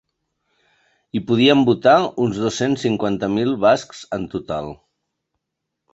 Hi podien votar uns dos-cents cinquanta mil bascs en total.